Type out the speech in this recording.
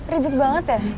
ribet banget ya